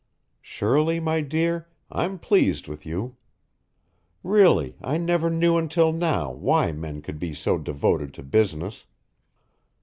Shirley, my dear, I'm pleased with you. Really, I never knew until now why men could be so devoted to business.